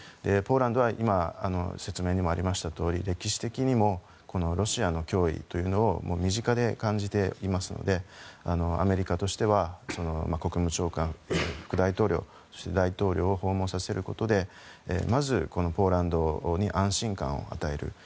ポーランドは今説明にもありましたとおり歴史的にもロシアの脅威というのを身近で感じていますのでアメリカとしては国務長官副大統領、そして大統領を訪問させることでまずポーランドに安心感を与える。